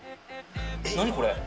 何これ。